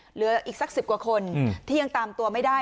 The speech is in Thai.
เหลืออีกสัก๑๐กว่าคนที่ยังตามตัวไม่ได้